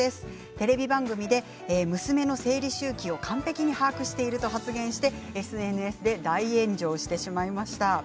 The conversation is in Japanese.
テレビ番組で、娘の生理を完璧に把握していると発言してＳＮＳで大炎上してしまいました。